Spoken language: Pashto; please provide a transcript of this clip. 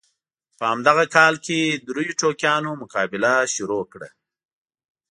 په همدغه کال کې دریو ټوکیانو مقابله شروع کړه.